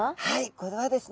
これはですね